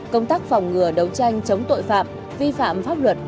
công tác phòng ngừa đấu tranh chống tội phạm vi phạm pháp luật